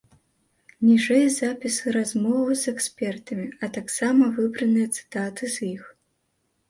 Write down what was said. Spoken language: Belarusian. Ніжэй запісы размоваў з экспертамі, а таксама выбраныя цытаты з іх.